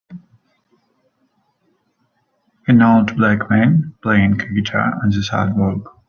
An old black man, playing a guitar on the sidewalk.